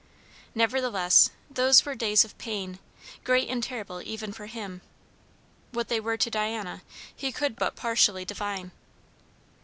Nevertheless, those were days of pain, great and terrible even for him; what they were to Diana he could but partially divine.